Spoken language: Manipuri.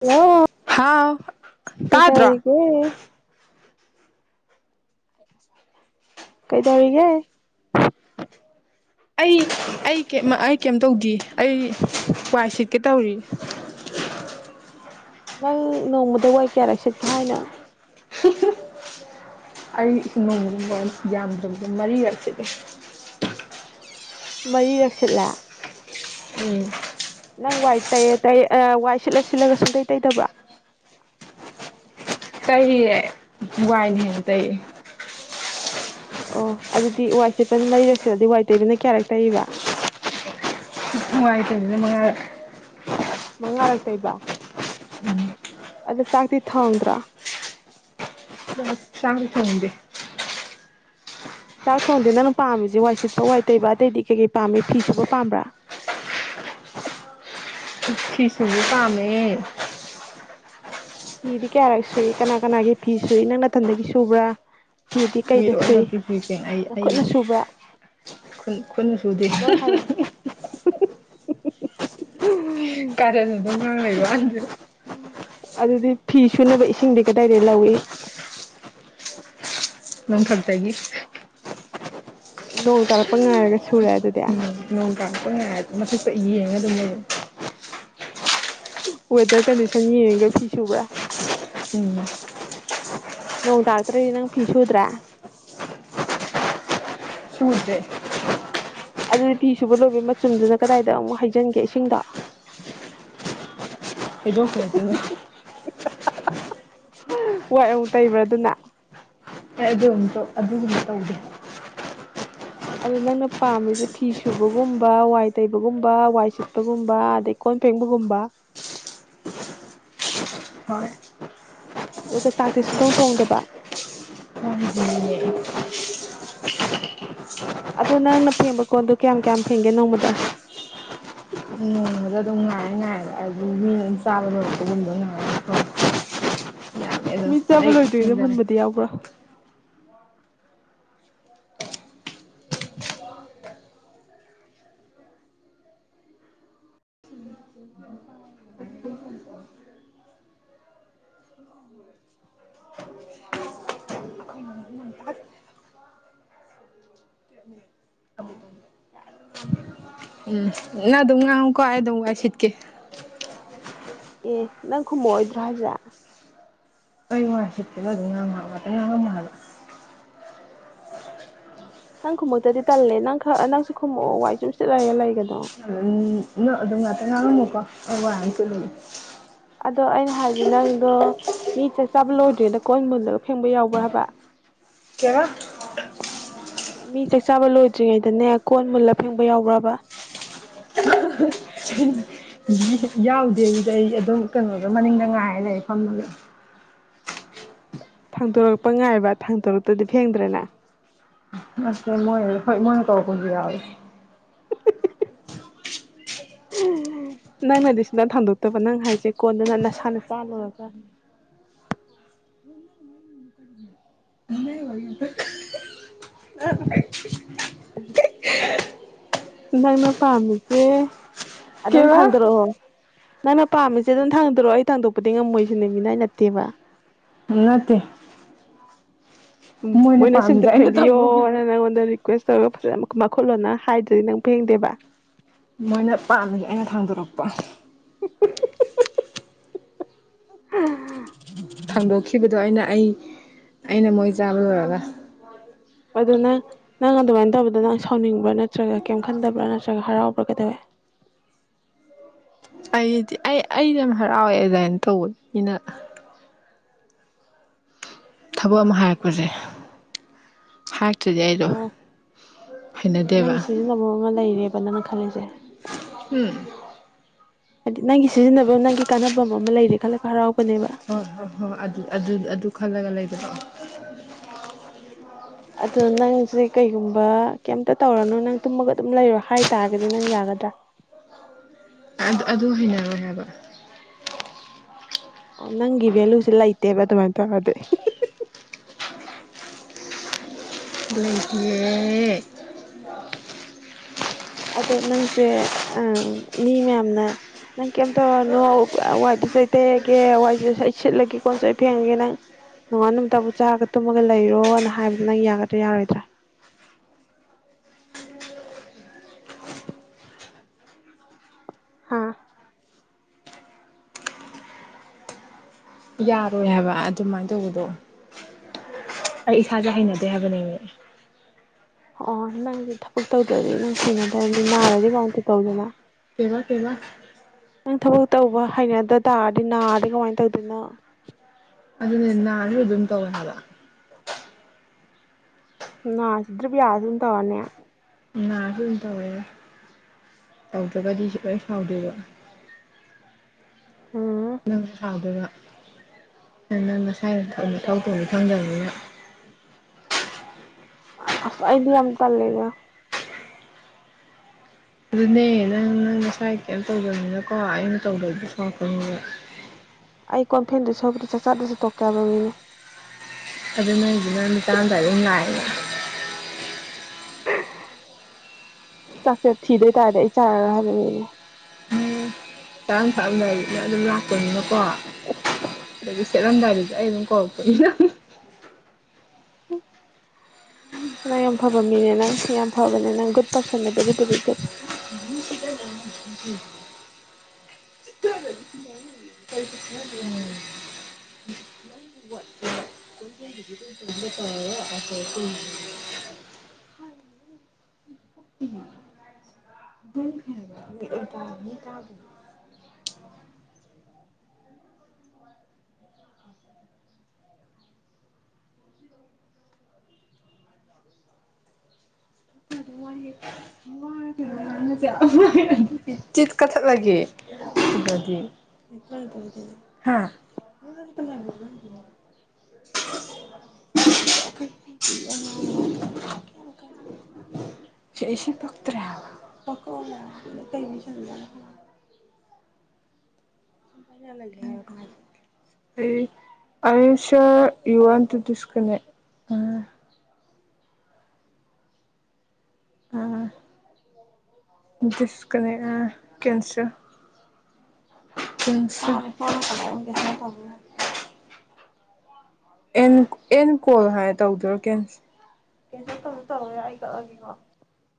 ꯍꯜꯂꯣ ꯍꯥꯎ ꯀꯩꯇꯧꯔꯤꯒ‌ꯦ ꯀꯩꯗꯧꯔꯤꯒꯦ ꯑꯩ ꯑꯩ ꯀꯩꯝꯃ ꯑꯩ ꯀꯩꯝ ꯇꯧꯗꯤ ꯑꯩ ꯋꯥꯏ ꯁꯤꯠꯀꯦ ꯇꯧꯔꯤ ꯅꯪ ꯅꯣꯡꯃꯗ ꯋꯥꯏ ꯀꯌꯥꯔꯛ ꯁꯠꯀꯦ ꯍꯥꯏꯅꯣ ꯑꯩ ꯅꯣꯡꯃ ꯋꯥꯟ ꯌꯥꯝꯗ꯭ꯔꯕꯗ ꯃꯔꯤꯔꯛ ꯁꯤꯠꯂꯦ ꯃꯔꯤꯔꯛ ꯁꯤꯠꯂꯦ ꯎꯝ ꯅꯪ ꯋꯥꯏ ꯇꯩꯔ ꯇꯩ ꯑ ꯋꯥꯏ ꯁꯤꯠꯂ ꯁꯤꯜꯂꯒ ꯁꯨꯡꯇꯩ ꯇꯩꯗꯕ꯭ꯔꯥ ꯇꯩꯔꯤꯌꯦ ꯋꯥꯏꯅ ꯍꯦꯟꯅ ꯇꯩ ꯑꯣ ꯑꯗꯨꯗꯤ ꯋꯥꯏ ꯁꯤꯠꯄꯅ ꯃꯔꯤꯔꯛ ꯁꯤꯠꯂꯗꯤ ꯋꯥꯏ ꯇꯩꯕꯅ ꯀꯌꯥꯔꯛ ꯇꯩꯔꯤꯕ ꯅꯨꯡꯉꯥꯏ ꯇꯩꯕꯅ ꯃꯉꯥꯏꯔꯦ ꯃꯉꯥꯔꯛ ꯇꯩꯕ ꯎꯝ ꯑꯗꯨ ꯆꯥꯛꯇꯤ ꯊꯣꯡꯗ꯭ꯔꯣ ꯆꯛ ꯆꯥꯛꯇꯤ ꯊꯣꯡꯗꯦ ꯆꯥꯛ ꯊꯣꯡꯗꯦ ꯅꯪ ꯄꯥꯝꯃꯤꯁꯦ ꯋꯥꯏ ꯁꯤꯠꯄ ꯋꯥꯏ ꯇꯩꯕ ꯑꯇꯩꯗꯤ ꯀꯩꯀꯩ ꯄꯥꯝꯃꯤ ꯐꯤ ꯁꯨꯕ ꯄꯥꯝꯕ꯭ꯔꯥ ꯐꯤꯁꯨꯨ ꯄꯥꯝꯃꯦ ꯐꯤꯗꯤ ꯀꯌꯥꯔꯛ ꯁꯨꯏ ꯀꯅꯥ ꯀꯅꯥꯒꯤ ꯐꯤ ꯁꯨꯏ ꯅꯪ ꯅꯥꯊꯟꯗꯒꯤ ꯁꯨꯕ꯭ꯔꯥ ꯃꯤꯔꯣꯏꯕꯛꯀꯤ ꯐꯤꯁꯤꯡ ꯑꯩ ꯑꯩ ꯈꯨꯠ ꯈꯨꯠꯅ ꯁꯨꯗꯦ [unintelligible] ꯀꯔꯟ ꯗꯨ ꯅꯪꯅ ꯑꯩ ꯋꯥꯍꯟꯗꯣꯔꯦ ꯑꯗꯨꯗꯤ ꯐꯤ ꯁꯨꯅꯕ ꯏꯁꯤꯡꯗꯤ ꯀꯗꯥꯏꯗꯩ ꯂꯧꯏ ꯅꯪ ꯈꯛꯇꯒꯤ ꯑ ꯅꯣꯡ ꯇꯥꯔꯛꯄ ꯉꯥꯏꯔꯒꯦ ꯎꯝ ꯅꯣꯡ ꯇꯔꯛꯄ ꯉꯥꯏ ꯃꯊꯛꯇ ꯌꯦꯡꯉꯒ ꯑꯗꯨꯝ ꯂꯩꯌꯣ ꯋꯦꯗꯔ ꯀꯟꯗꯤꯁꯟ ꯌꯦꯡꯉꯒ ꯐꯤ ꯁꯨꯕ꯭ꯔꯥ ꯎꯝ ꯅꯣꯡ ꯇꯥꯔꯛꯇ꯭ꯔꯗꯤ ꯅꯪ ꯐꯤ ꯁꯨꯗ꯭ꯔꯦ ꯁꯨꯗ꯭ꯔꯦ ꯑꯗꯨꯗꯤ ꯐꯤ ꯁꯨꯕ ꯂꯣꯏꯕꯩ ꯃꯆꯨꯝꯗꯨꯅ ꯀꯗꯥꯏꯗ ꯑꯃꯨꯛ ꯍꯩꯖꯟꯒꯦ ꯏꯁꯤꯡꯗꯣ ꯍꯥ ꯍꯥ ꯍꯥ ꯍꯥ ꯋꯥꯏ ꯑꯃꯨꯛ ꯇꯩꯕ꯭ꯔꯥ ꯑꯗꯨꯅ ꯑꯦ ꯑꯗꯨ ꯑꯝꯇ ꯑꯗꯨꯒꯨꯝꯕ ꯇꯧꯗꯦ ꯑꯗꯨ ꯅꯪꯅ ꯄꯥꯝꯃꯤꯁꯦ ꯐꯤ ꯁꯨꯕꯒꯨꯝꯕ ꯋꯥꯏ ꯇꯩꯕꯒꯨꯝꯕ ꯋꯥꯏ ꯁꯤꯠꯄꯒꯨꯝꯕ ꯑꯗꯩ ꯀꯣꯟ ꯐꯦꯡꯕꯒꯨꯝꯕ ꯍꯣꯏ ꯑꯗꯨꯒ ꯆꯥꯛꯇꯤ ꯁꯨꯊꯣꯡ ꯊꯣꯡꯗꯕ ꯑꯗꯨ ꯅꯪꯅ ꯐꯦꯡꯕ ꯀꯣꯟꯗꯣ ꯀꯌꯥꯝ ꯀꯌꯥꯝ ꯐꯦꯡꯒꯦ ꯅꯣꯡꯃꯗ ꯅꯣꯡꯃꯗ ꯑꯗꯨꯝ ꯉꯥꯏ ꯗꯨꯝ ꯆꯕ ꯂꯣꯏꯔꯛꯄ ꯒꯨꯝꯕ ꯉꯥꯏꯔ ꯈꯣ ꯃꯤ ꯆꯥꯕ ꯂꯣꯏꯗꯔꯤꯉꯩꯗ ꯃꯨꯟꯕꯗꯤ ꯌꯥꯎꯕ꯭ꯔꯥ ꯎꯝ ꯅꯪ ꯑꯗꯨꯝ ꯉꯥꯡꯉꯣ ꯀꯣ ꯑꯩ ꯑꯗꯨꯝ ꯋꯥꯏ ꯆꯤꯠ ꯑꯣꯀꯦ꯫ ꯑꯦ ꯅꯪ ꯈꯨꯝꯃꯛꯑꯣꯏꯗ꯭ꯔ ꯍꯥꯏꯖꯦ꯫ ꯋꯥ ꯁꯦꯀꯦꯟ ꯑꯣꯏꯔꯖꯨ ꯉꯥꯛꯇꯡ ꯉꯥꯡꯉꯝꯃꯣ ꯍꯥꯏꯕ꯫ ꯅꯪ ꯈꯨꯝꯃꯛꯇꯗꯤ ꯇꯜꯂꯦ ꯅꯪ ꯈ ꯅꯪꯁꯨ ꯈꯨꯝꯃꯛꯑꯣ ꯋꯥꯏ ꯁꯨꯝꯁꯤꯠꯂꯔꯦ ꯂꯩꯒꯅꯣ ꯎꯝ ꯅꯪ ꯑꯗꯨꯝ ꯉꯥꯛꯇꯪ ꯉꯥꯡꯑꯝꯃꯨꯀꯣ ꯑꯩ ꯋꯥꯏꯑꯝ ꯁꯤꯠꯂꯨꯒꯦ ꯑꯗꯣ ꯑꯩꯅ ꯍꯥꯏꯗꯤ ꯅꯪꯗꯣ ꯃꯤ ꯆ ꯆꯥꯕ ꯂꯣꯏꯗ꯭ꯔꯦꯗ ꯀꯣꯟ ꯃꯨꯜꯂꯒ ꯐꯦꯡꯕ ꯌꯥꯎꯕ꯭ꯔꯥ ꯍꯥꯏꯕ ꯀꯦꯕ ꯆꯥꯕ ꯂꯣꯏꯗ꯭ꯔꯤꯉꯩꯗꯅꯦ ꯀꯣꯟ ꯃꯨꯜꯂ ꯐꯦꯡꯕ ꯌꯥꯎꯕ꯭ꯔꯕ ꯌꯥꯎꯗꯦ ꯑꯗꯨꯗꯤ ꯑꯩ ꯑꯗꯨꯝ ꯀꯩꯅꯣꯗꯣ ꯃꯅꯤꯡꯗ ꯉꯥꯏꯔ ꯂꯩ ꯐꯝꯃꯒ ꯊꯥꯡꯗꯣꯔꯛꯄ ꯉꯥꯏꯕ ꯊꯥꯡꯗꯣꯔꯛꯇꯗꯤ ꯐꯦꯡꯗ꯭ꯔꯦꯅ ꯃꯁꯦ ꯃꯣꯏ ꯍꯣꯏ ꯃꯣꯏ ꯀꯧꯔꯛꯄꯁꯨ ꯌꯥꯎꯏ ꯅꯪꯅꯗꯤ ꯁꯨꯗ ꯊꯥꯡꯗꯣꯛꯇꯕ ꯅꯪ ꯍꯥꯏꯁꯦ ꯀꯣꯟꯗꯅ ꯅꯁꯥꯅ ꯆꯥꯂꯨꯔꯒ ꯅꯤ ꯅꯪꯅ ꯄꯥꯝꯃꯤꯁꯦ ꯑꯗꯨꯝ ꯊꯥꯡꯗꯣꯔꯛꯑꯣ ꯅꯪꯅ ꯄꯥꯝꯃꯤꯁꯦ ꯑꯗꯨꯝ ꯊꯥꯡꯗꯣꯔꯛꯑꯣ ꯑꯩ ꯊꯥꯡꯗꯣꯛꯄꯗꯤ ꯉꯝꯃꯣꯏꯁꯤꯅꯦ ꯃꯤꯅꯥꯏ ꯅꯠꯇꯦꯕ ꯅꯠꯇꯦ ꯎ ꯃꯣꯏꯅ ꯁꯤꯟꯇ ꯐꯦꯡꯕꯤꯌꯣ ꯅꯪꯉꯣꯟꯗꯗꯤ ꯀꯋꯦꯁ ꯇꯧꯔꯒ ꯐꯖ ꯃꯈꯨꯠ ꯂꯣꯟꯅ ꯍꯥꯏꯗ꯭ꯔꯗꯤ ꯅꯪ ꯐꯦꯡꯗꯦꯕ ꯃꯣꯏꯅ ꯄꯥꯝꯃꯤꯁꯦ ꯑꯩꯅ ꯊꯥꯡꯗꯣꯔꯛꯄ ꯑ ꯊꯥꯡꯗꯣꯛꯈꯤꯕꯗꯣ ꯑꯩꯅ ꯑꯩ ꯑꯩꯅ ꯃꯣꯏ ꯆꯥꯕ ꯂꯣꯏꯔꯒ ꯑꯗ ꯅꯪ ꯅꯪ ꯑꯗꯨꯃꯥꯏꯅ ꯇꯧꯕꯗ ꯅꯪ ꯁꯥꯎꯅꯤꯡꯕ꯭ꯔꯥ ꯅꯠꯇ꯭ꯔꯒ ꯀꯩꯝ ꯈꯟꯗꯕ꯭ꯔꯥ ꯅꯠꯇ꯭ꯔꯒ ꯍꯔꯥꯎꯕ꯭ꯔꯥ ꯀꯩꯗꯧꯋꯦ ꯑꯩꯗꯤ ꯑꯩ ꯑꯩꯗꯤ ꯌꯥꯝ ꯍꯔꯥꯎꯋꯦ ꯑꯦꯗꯥꯟ ꯇꯧꯕꯗꯣ ꯃꯤꯅ ꯊꯕꯛ ꯑꯃ ꯍꯥꯏꯔꯛꯄꯁꯦ ꯍꯥꯏꯔꯛꯇ꯭ꯔꯗꯤ ꯑꯩꯗꯣ ꯅꯪꯒꯤ ꯁꯤꯖꯤꯟꯅꯐꯝ ꯑꯃ ꯂꯩꯔꯦꯕ ꯅꯪꯅ ꯈꯜꯂꯤꯁꯦ ꯎꯝ ꯍꯥꯏꯗꯤ ꯅꯪꯒꯤ ꯁꯤꯖꯤꯟꯅꯕꯝ ꯅꯪꯒꯤ ꯀꯥꯟꯅꯕꯝ ꯃꯃ ꯑꯃ ꯂꯩꯔꯦ ꯈꯂ ꯍ ꯍ ꯍꯣ ꯑꯗꯨ ꯑꯗꯨ ꯑꯗꯨ ꯈꯜꯂꯒ ꯂꯩꯕꯗꯣ ꯑꯗꯣ ꯅꯪꯁꯦ ꯀꯩꯒꯨꯝꯕ ꯀꯩꯝꯇ ꯇꯧꯔꯅꯨ ꯅꯪ ꯇꯨꯝꯃꯒ ꯑꯗꯨꯝ ꯂꯩꯔꯣ꯫ ꯍꯥꯏꯇꯥꯔꯒꯗꯤ ꯅꯪ ꯌꯥꯒꯗ꯭ꯔꯥ ꯑꯗꯨ ꯑꯗꯨ ꯍꯩꯅꯔꯣꯏꯍꯥꯏꯕ ꯑꯣ ꯅꯪꯒꯤ ꯚꯦꯂꯨꯁꯦ ꯂꯩꯇꯦꯕ ꯑꯗꯨꯃꯥꯏꯅ ꯇꯧꯔꯗꯤ ꯂꯩꯒꯤꯌꯦ ꯑꯗꯣ ꯅꯪꯁꯦ ꯑ ꯃꯤ ꯃꯌꯥꯝꯅ ꯅꯪ ꯀꯩꯝ ꯇꯧꯔꯅꯨ ꯋꯥꯏꯗꯨꯁꯨ ꯑꯩ ꯇꯩꯑꯒꯦ ꯋꯥꯏꯁꯤ ꯁꯨ ꯑꯩ ꯁꯤꯠꯂꯒꯦ ꯀꯣꯟꯁꯨ ꯑꯩ ꯐꯦꯡꯉꯒꯦ ꯅꯪ ꯅꯣꯡꯉꯥꯟ ꯅꯨꯃꯤꯠꯇꯕꯧ ꯆꯥꯔꯒ ꯇꯨꯝꯃꯒ ꯂꯩꯔꯣꯅ ꯍꯥꯏꯕꯗ ꯅꯪ ꯌꯥꯒꯗ꯭ꯔꯥ ꯌꯥꯔꯣꯏꯗ꯭ꯔꯥ ꯍꯥꯥ ꯌꯥꯔꯣꯏ ꯍꯥꯏꯕ ꯑꯗꯨꯃꯥꯏꯅ ꯇꯧꯕꯗꯣ ꯑꯩ ꯏꯁꯥꯁꯦ ꯍꯩꯅꯗꯦ ꯍꯥꯏꯕꯅꯦꯃꯤ ꯑꯣ ꯅꯪꯁ ꯊꯕꯛ ꯇꯧꯗ꯭ꯔꯗꯤ ꯅꯪ ꯍꯩꯅꯗꯕꯅꯤ ꯅꯥꯔꯗꯤ ꯀꯃꯥꯏꯇ ꯇꯧꯗꯣꯔꯤꯒꯦꯅ [inaudible] ꯅꯪ ꯊꯕꯛ ꯇꯧꯕ ꯍꯩꯅꯗ ꯇꯥꯔꯗꯤ ꯅꯥꯔꯗꯤ ꯀꯃꯥꯏꯅ ꯇꯧꯗꯣꯏꯅꯣ ꯑꯗꯨꯅꯤ ꯅꯥꯔꯖꯨ ꯑꯗꯨꯝ ꯇꯧꯋꯤ ꯍꯥꯢꯕ ꯅꯥꯖꯨ ꯗ꯭ꯔꯤ ꯌꯥꯖꯨ ꯑꯗꯨꯝ ꯇꯧꯔꯅꯤ ꯅꯥꯗ‌ꯑ‌ꯣꯏ ꯇꯧꯔ‌ꯦ ꯇꯧꯗ꯭ꯔꯒꯗꯤ ꯁꯤ ꯂꯣꯏ ꯁꯥꯎꯗ‌ꯣꯏꯕ ꯅꯪꯁꯨ ꯁꯥꯎꯗꯨꯔ‌ꯣ ꯑꯗꯨ ꯅꯪ ꯅꯁꯥꯏ ꯅꯊꯧ ꯅꯊꯧ ꯇꯧꯅꯤ ꯈꯪꯗꯕꯅꯤꯅ ꯑ ꯑꯁ ꯑꯩꯗꯤ ꯌꯥꯝ ꯇꯜꯂꯤꯗ ꯑꯗꯨꯅꯦ ꯅꯪ ꯅꯪ ꯅꯁꯥꯏ ꯀꯩꯝ ꯇꯧꯗꯝꯅꯤꯅꯀꯣ ꯑꯩꯅ ꯇꯧꯗ꯭ꯔꯥꯗꯤ ꯁꯥꯎꯔꯛꯇ‌ꯣꯏꯅ‌ꯦꯕ ꯑꯩ ꯀꯣꯟꯐꯦꯡꯗꯧ ꯁꯔꯨꯛ ꯆꯥꯛ ꯆꯥꯗ꯭ꯔꯥꯁꯨ ꯇꯣꯛꯀ‌ꯦ ꯍꯥꯏꯕ ꯃꯤꯅꯦ ꯑꯗꯨ ꯅꯣꯏꯗꯨꯅꯥ [unintelligible] ꯆꯥꯛ ꯆꯦ ꯊꯤꯗ‌ꯣꯏ ꯇꯥꯔꯗꯤ ꯑꯩ ꯆꯔꯔ‌ꯣꯏ ꯍꯥꯏ ꯃꯤꯅꯦ ꯆꯥꯔꯝ ꯊꯛꯑꯝꯗꯥꯏ ꯑꯗꯨꯝ ꯂꯥꯛꯄꯅꯤꯅꯀꯣ ꯁ‌ꯦꯠꯂꯝꯗꯥꯏꯗꯁꯨ ꯑꯩ ꯑꯗꯨꯝ ꯀꯧꯔꯛꯄꯅꯤꯅ ꯑꯥꯏ ꯌꯥꯝꯝ ꯐꯕ ꯃꯤꯅꯦ ꯅꯪ ꯌꯥꯝ ꯐꯕꯅꯦ ꯅꯪ ꯒꯨꯠ ꯄꯔꯁꯟꯅꯅꯦ ꯚꯦꯔꯤ ꯚꯦꯔꯤ ꯒꯨꯠ [unintelligible] [inaudible] [unintelligible] [inaudible] [unintelligible] [inaudible] ꯇꯥꯗ꯭ꯔ‌ꯦ [unintelligible] [inaudible] ꯀꯛꯊꯠꯂꯒ‌ꯦ ꯑꯩꯁ‌ꯦ ꯄꯠꯇ꯭ꯔ‌ꯦ ꯍꯥꯏꯕ [unintelligible] [inaudible] R you sure you want to disconnect uh disconnect uh cancel [unintelligible] [inaudible] and end call ꯍꯥꯏ ꯇꯧꯗꯣꯏꯔꯣ ꯀꯦꯟꯁ‌ꯦꯜ